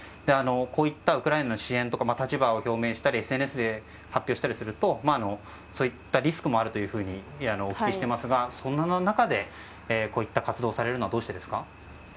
こういったウクライナの支援とか立場を表明したりＳＮＳで発表したりするとリスクもあるとお聞きしていますがその中で、こういった活動をされるのはどうしてですか？